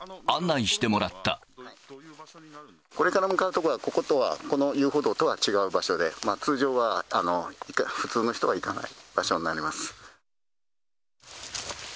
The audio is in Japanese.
これから向かう所は、こことは、この遊歩道とは違う場所で、通常は普通の人は行かない場所になります。